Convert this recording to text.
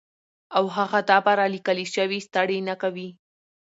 او هغه دا بره ليکلے شوي ستړې نۀ کوي